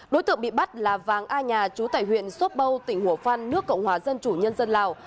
đối tượng bị bắt là vàng a nhà chú tải huyện sốp bâu tỉnh hủa phan nước cộng hòa dân chủ nhân dân lào